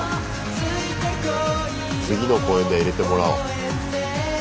次の公演では入れてもらおう。